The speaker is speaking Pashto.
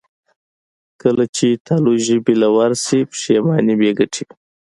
کله چې تالو ژبې له ورشي، پښېماني بېګټې وي.